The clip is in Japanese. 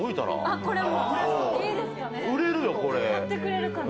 買ってくれるかな？